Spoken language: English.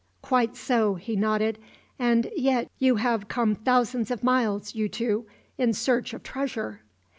"Quite so," he nodded. "And yet you have come thousands of miles, you two, in search of treasure!"